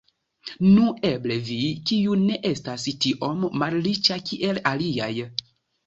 Nu, eble vi, kiu ne estas tiom malriĉa kiel aliaj.